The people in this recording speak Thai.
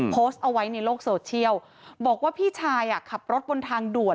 โพสต์เอาไว้ในโลกโซเชียลบอกว่าพี่ชายอ่ะขับรถบนทางด่วน